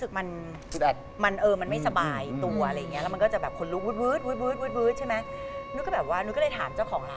อื้อมันไม่สบายตัวอะไรอย่างนี้มันก็จะแบบถูกนาง